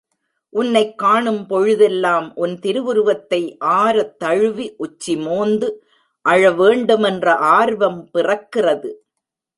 உன்னைக் காணும் பொழுதெல்லாம் உன் திருவுருவத்தை ஆரத்தழுவி உச்சிமோந்து அழவேண்டும் என்ற ஆர்வம் பிறக்கிறது!